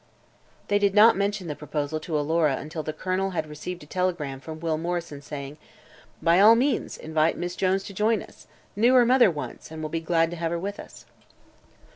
They did not mention the proposal to Alora until the Colonel had received a telegram from Will Morrison saying: "By all means invite Miss Jones to join us. Knew her mother, once, and will be glad to have her with us."